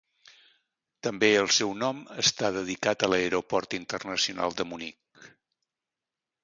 També el seu nom està dedicat a l'aeroport internacional de Munic.